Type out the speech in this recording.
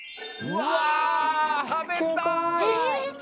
うわたべたい！